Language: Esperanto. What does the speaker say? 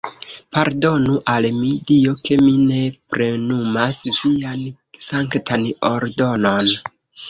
Pardonu al mi, Dio, ke mi ne plenumas vian sanktan ordonon!